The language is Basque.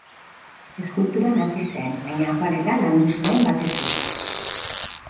Eskulturan hasi zen, baina akuarela landu zuen batez ere.